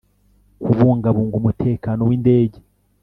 kubungabunga umutekano w indege